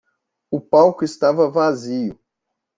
O palco estava vazio.